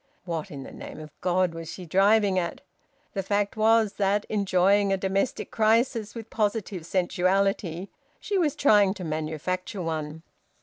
What in the name of God was she driving at? The fact was that, enjoying a domestic crisis with positive sensuality, she was trying to manufacture one!